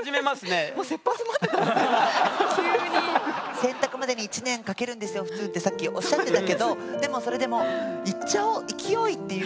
選択までに１年かけるんですよ普通ってさっきおっしゃってたけどでもそれでもいっちゃおう勢いっていう